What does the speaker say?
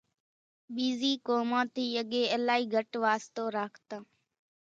ٻيزِي قومان ٿِي اڳيَ الائِي گھٽ واستو راکتان۔